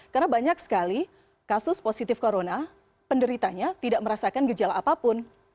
karena banyak sekali kasus positif corona penderitanya tidak merasakan gejala apapun